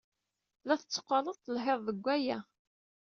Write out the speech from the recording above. La tetteqqaled telhid deg waya.